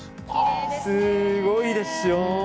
すごいでしょ。